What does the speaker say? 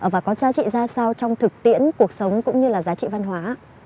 và có giá trị ra sao trong thực tiễn cuộc sống cũng như là giá trị văn hóa